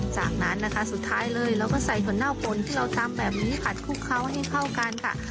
จากนั้นนะคะสุดท้ายเลยเราก็ใส่ถั่วเน่าปนที่เราตำแบบนี้ผัดคลุกเคล้าให้เข้ากันค่ะ